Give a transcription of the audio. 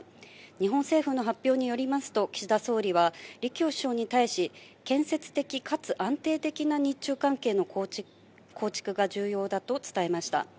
日本政府の発表によりますと、岸田総理は、李強首相に対し、建設的かつ安定的な日中関係の構築が重要だと伝えました。